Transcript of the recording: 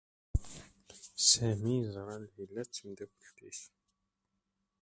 Sami yeẓra Layla d tmeddakelt-is.